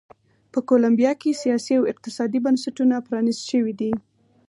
په کولمبیا کې سیاسي او اقتصادي بنسټونه پرانیست شوي دي.